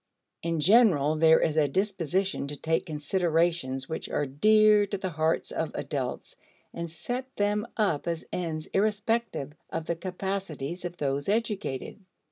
In general, there is a disposition to take considerations which are dear to the hearts of adults and set them up as ends irrespective of the capacities of those educated.